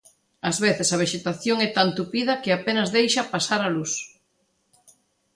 Ás veces a vexetación é tan tupida que apenas deixa pasar a luz.